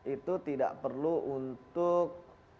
itu tidak perlu untuk